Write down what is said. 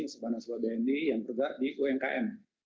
sepanjang bni yang tergantung di umkm